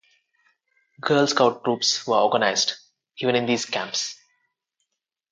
Girl Scout troops were organized, even in these camps.